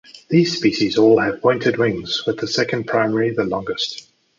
These species all have pointed wings with the second primary the longest.